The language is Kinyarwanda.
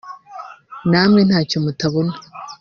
Namwe ntacyo mutabona